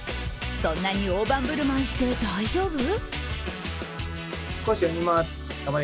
そんなに大盤ぶるまいして大丈夫？